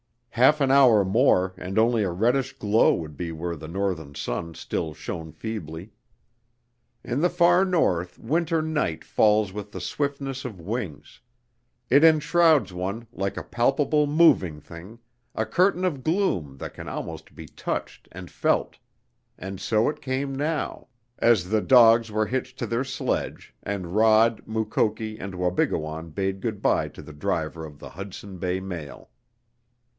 Half an hour more and only a reddish glow would be where the northern sun still shone feebly. In the far North winter night falls with the swiftness of wings; it enshrouds one like a palpable, moving thing, a curtain of gloom that can almost be touched and felt, and so it came now, as the dogs were hitched to their sledge and Rod, Mukoki and Wabigoon bade good by to the driver of the Hudson Bay mail.